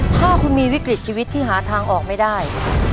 ถ้าคุณมีวิกฤตชีวิตที่หาทางออกไม่ได้